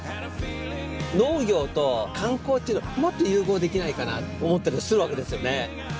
農業と観光っていうのをもっと融合できないかな思ったりするわけですよね。